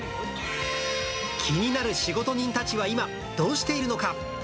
気になる仕事人たちは今、どうしているのか。